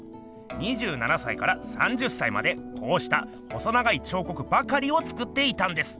２７歳から３０歳までこうした細長い彫刻ばかりを作っていたんです。